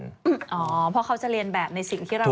เพราะเขาจะเรียนแบบในสิ่งที่เรา